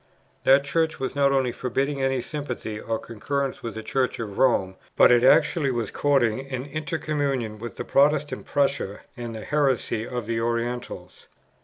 That Church was not only forbidding any sympathy or concurrence with the Church of Rome, but it actually was courting an intercommunion with Protestant Prussia and the heresy of the Orientals.